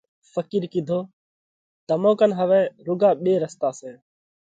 ڦقِير ڪِيڌو: تمون ڪنَ هوَئہ رُوڳا ٻي رستا سئہ۔